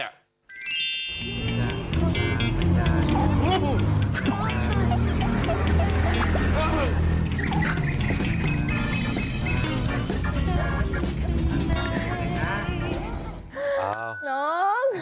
อ้าวน้อง